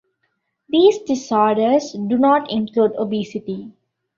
These disorders do not include obesity.